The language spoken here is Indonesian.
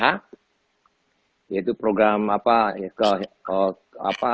yaitu program apa